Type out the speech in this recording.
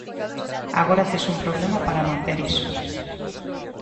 Agora tes un problema para manter iso.